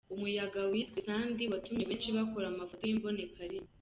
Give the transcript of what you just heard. Umuyaga wiswe Sandi watumye benshi bakora amafoto y’imbonekarimwe